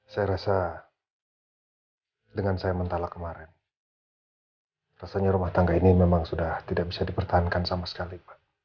saya rasa dengan saya mentalak kemarin rasanya rumah tangga ini memang sudah tidak bisa dipertahankan sama sekali